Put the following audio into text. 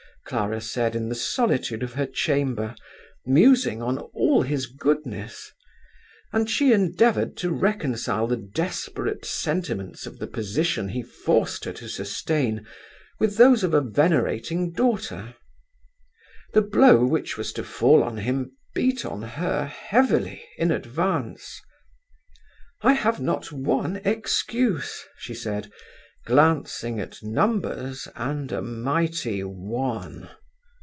Clara said in the solitude of her chamber, musing on all his goodness, and she endeavoured to reconcile the desperate sentiments of the position he forced her to sustain, with those of a venerating daughter. The blow which was to fall on him beat on her heavily in advance. "I have not one excuse!" she said, glancing at numbers and a mighty one.